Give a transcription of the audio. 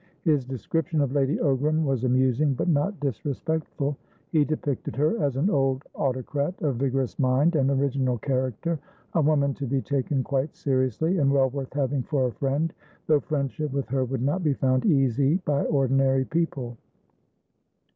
His description of Lady Ogram was amusing, but not disrespectful; he depicted her as an old autocrat of vigorous mind and original character, a woman to be taken quite seriously, and well worth having for a friend, though friendship with her would not be found easy by ordinary people.